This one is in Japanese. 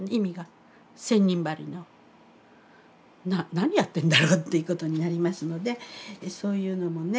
何やってんだろうっていうことになりますのでそういうのもね。